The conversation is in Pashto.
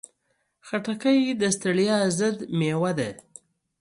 خټکی د ستړیا ضد مېوه ده.